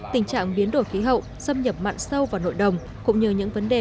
tình trạng biến đổi khí hậu xâm nhập mặn sâu vào nội đồng cũng như những vấn đề